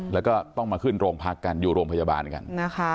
แล้วก็ต้องมาขึ้นโรงพักกันอยู่โรงพยาบาลกันนะคะ